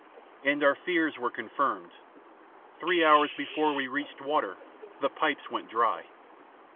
And our fears were confirmed. Three hours before we reached water, the pipes went dry.